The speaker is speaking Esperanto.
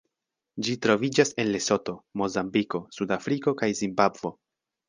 Ĝi troviĝas en Lesoto, Mozambiko, Sudafriko kaj Zimbabvo.